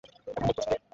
কেমন বোধ করছো, কেইন?